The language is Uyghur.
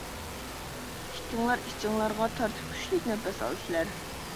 ئىككىڭلار ئىچىڭلارغا تارتىپ كۈچلۈك نەپەس ئالىسىلەر.